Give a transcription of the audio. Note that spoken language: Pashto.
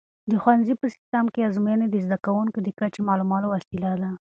د ښوونځي په سیسټم کې ازموینې د زده کوونکو د کچې معلومولو وسیله ده.